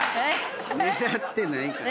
狙ってないから。